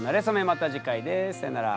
また次回ですさようなら。